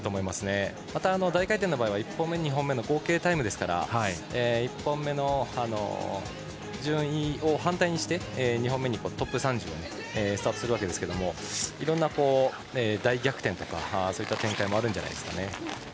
また大回転の場合は１本目、２本目の合計タイムですから１本目の順位を反対にして２本目にトップ３０がスタートするわけですがいろんな大逆転とかそういった展開もあるんじゃないですかね。